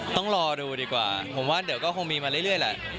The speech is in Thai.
ต้องรอดูดีกว่าผมว่าเดี๋ยวก็คงมีมาเรื่อยแหละ